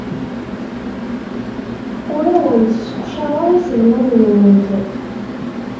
Ur awent-sseqcareɣ iselman-nwent.